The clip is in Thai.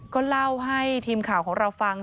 ก็เล่าให้ทีมข่าวของเราฟัง